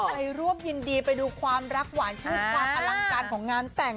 ไปรวบยินดีไปดูความรักหวานชื่อความอลังกลความกลางการของงานแต่ง